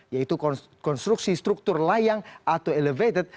yaitu konstruksi struktur layang atau elevated